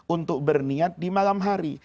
untuk berniat di malam hari